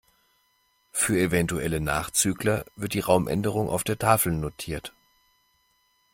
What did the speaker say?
Für eventuelle Nachzügler wird die Raumänderung auf der Tafel notiert.